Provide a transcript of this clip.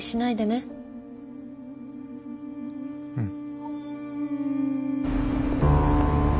うん。